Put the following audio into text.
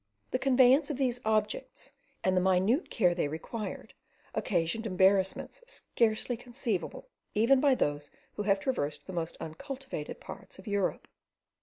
The conveyance of these objects, and the minute care they required, occasioned embarrassments scarcely conceiveable even by those who have traversed the most uncultivated parts of Europe.